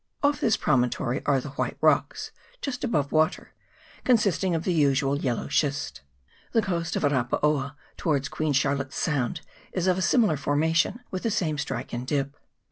Off this pro montory are the White Rocks, just above water, consisting of the usual yellow schist. The coast of Arapaoa, towards Queen Charlotte's Sound, is of a similar formation, with the same strike and dip.